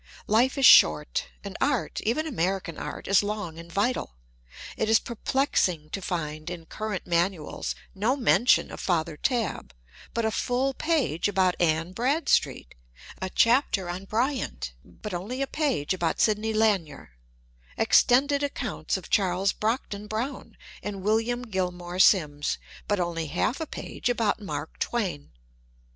life is short, and art, even American art, is long and vital. It is perplexing to find in current manuals no mention of Father Tabb, but a full page about Anne Bradstreet; a chapter on Bryant, but only a page about Sidney Lanier; extended accounts of Charles Brockden Brown and Williani Gilmore Simms, but only half a page about Mark Twain.